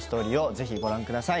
ぜひご覧ください。